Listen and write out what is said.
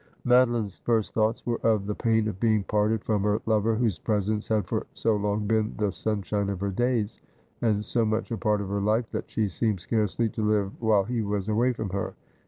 Madoline's first thoughts were of the pain of being parted from her lover, whose presence had for so long been the sun shine of her days, and so much a part of her life, that she seemed scarcely to live while he was away from her.